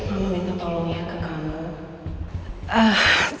mama minta tolong ya ke kamu